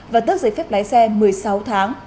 và tước giấy phép lái xe một mươi sáu tháng